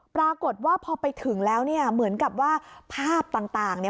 ปรากฏว่าพอไปถึงแล้วเนี่ยเหมือนกับว่าภาพต่างต่างเนี่ย